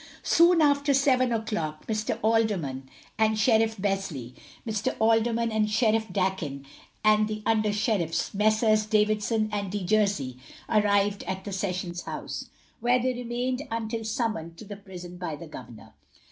Soon after seven o'clock, Mr. Alderman and Sheriff Besley, Mr. Alderman and Sheriff Dakin, and the Under Sheriffs, Messrs. Davidson and De Jersey, arrived at the Sessions House, where they remained until summoned to the prison by the governor.